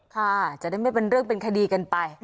ค่ะจะได้ไม่เป็นเรื่องเป็นคดีกันไป